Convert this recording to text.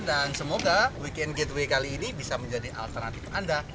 dan semoga weekend gateway kali ini bisa menjadi alternatif anda